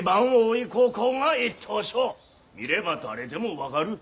見れば誰でも分かる。